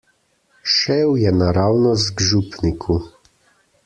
Šel je naravnost k župniku.